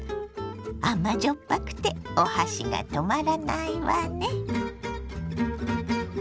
甘じょっぱくてお箸が止まらないわね。